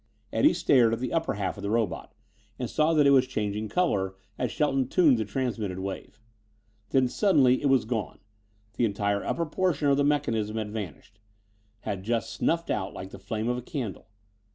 Eddie stared at the upper half of the robot and saw that it was changing color as Shelton tuned the transmitted wave. Then suddenly it was gone. The entire upper portion of the mechanism had vanished; had just snuffed out like the flame of a candle.